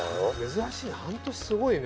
珍しい半年すごいね。